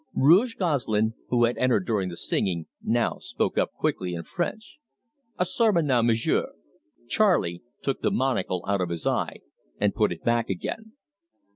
Rouge Gosselin, who had entered during the singing, now spoke up quickly in French: "A sermon now, M'sieu'!" Charley took his monocle out of his eye and put it back again.